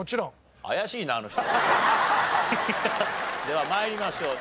では参りましょう。